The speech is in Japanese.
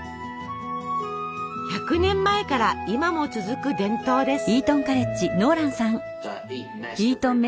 １００年前から今も続く伝統です。